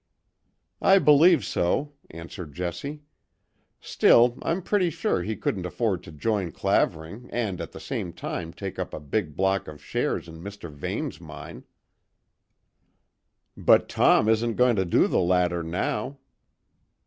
"I believe so," answered Jessie. "Still, I'm pretty sure he couldn't afford to join Clavering and at the same time take up a big block of shares in Mr. Vane's mine." "But Tom isn't going to do the latter now."